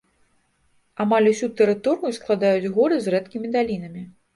Амаль усю тэрыторыю складаюць горы з рэдкімі далінамі.